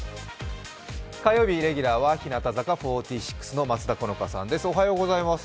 火曜日レギュラーは日向坂４６・松田好花さんです。